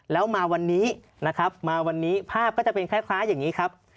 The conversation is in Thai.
แล้วมาวันนี้นะครับมาวันนี้ภาพก็จะเป็นคล้ายอย่างนี้ครับ